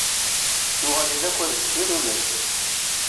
Tuɣalin akk ɣer deffir ulac.